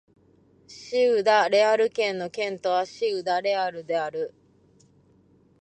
シウダ・レアル県の県都はシウダ・レアルである